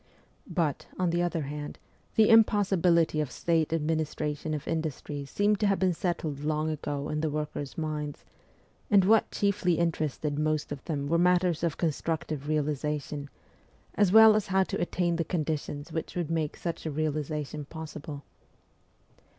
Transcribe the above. But, on the other hand, the impossibility of state administration of industries seemed to have been settled long ago in the workers' minds, and what chiefly interested most of them were matters of constructive realization, as well as how to attain the conditions which would make such a realization possible.